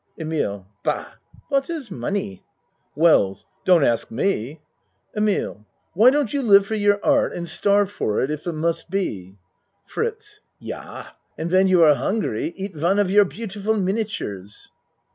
EMILE Bah! What is money? WELLS Don't ask me. EMILE Why don't you live for your art and ACT I 27 starve for it if it must be. FRITZ Yah! And when you are hungry eat one of your beautiful miniatures.